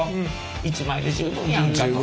１枚で十分やんかと。